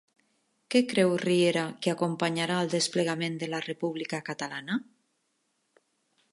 Què creu Riera que acompanyarà al desplegament de la República Catalana?